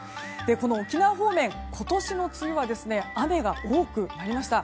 この沖縄方面今年の梅雨は雨が多くなりました。